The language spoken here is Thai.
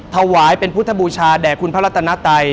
ถวายเป็นพุทธบูชาแด่คุณพระรัตนาไตย